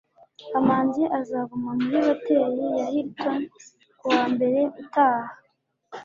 kamanzi azaguma muri hotel ya hilton kuwa mbere utaha